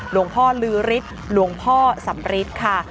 หลวงพ่อลื้อฤทธิ์หลวงพ่อสำฤทธิ์ค่ะ